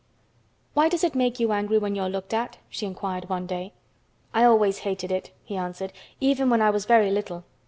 "Why does it make you angry when you are looked at?" she inquired one day. "I always hated it," he answered, "even when I was very little.